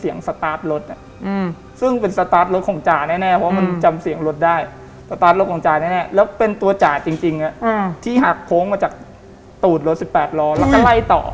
ยากโค้งมาจากตูดรถ๑๘รอแล้วก็ไล่ต่อ